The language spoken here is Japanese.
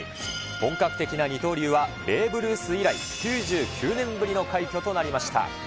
本格的な二刀流はベーブ・ルース以来、９９年ぶりの快挙となりま